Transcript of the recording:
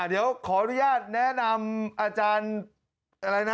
เดี๋ยวขออนุญาตแนะนำอาจารย์อะไรนะ